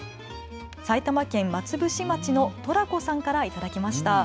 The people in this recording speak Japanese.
埼玉県松伏町のトラ子さんから頂きました。